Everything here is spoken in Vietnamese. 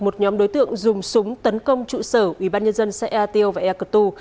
một nhóm đối tượng dùng súng tấn công trụ sở ủy ban nhân dân xã ea tiêu và ea cơ tu